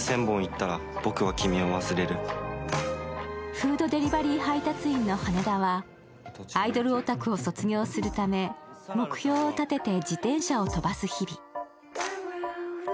フードデリバリー配達員の羽田は、アイドルオタクを卒業するため目標を立てて自転車を飛ばす日々。